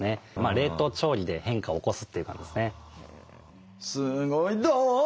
冷凍調理で変化を起こすという感じですね。